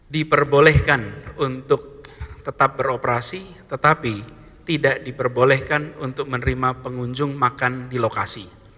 diperbolehkan untuk tetap beroperasi tetapi tidak diperbolehkan untuk menerima pengunjung makan di lokasi